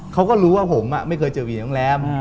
เขาก็รู้ว่าผมไม่เคยเจอหวีโรงแรม